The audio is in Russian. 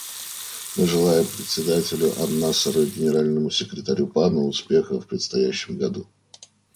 Мы желаем Председателю анНасеру и Генеральному секретарю Пану успеха в предстоящем году.